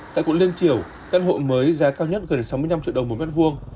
tại quận liên triểu các hộ mới giá cao nhất gần sáu mươi năm triệu đồng mỗi mét vuông